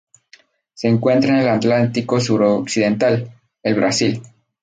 Se encuentra en el Atlántico suroccidental: el Brasil.